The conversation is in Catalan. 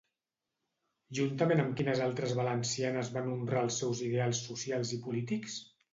Juntament amb quines altres valencianes van honrar els seus ideals socials i polítics?